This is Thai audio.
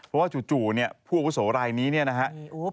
เพราะว่าจู่พวกวุศวรายนี้นะครับ